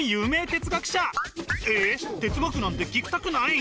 哲学なんて聞きたくない？